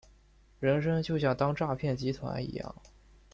人生就像当诈骗集团一样